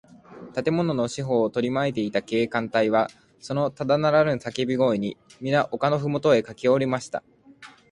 建物の四ほうをとりまいていた警官隊は、そのただならぬさけび声に、みな丘のふもとへかけおりました。